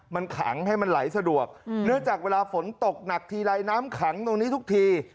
มันขังให้มันไหลสะดวกเนื่องจากเวลาฝนตกหนักทีไรน้ำขังตรงนี้ทุกที